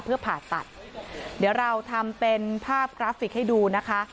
เพื่อผ่าตัดเดี๋ยวเราทำเป็นภาพกราฟิกให้ดูนะคะ